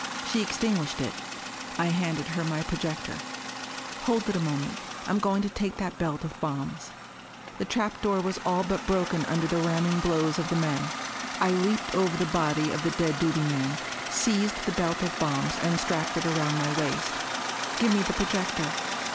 She extinguished it. I handed her my projector. "Hold it a moment. I'm going to take that belt of bombs." The trap door was all but broken under the ramming blows of the men. I leaped over the body of the dead duty man, seized the belt of bombs and strapped it around my waist. "Give me the projector."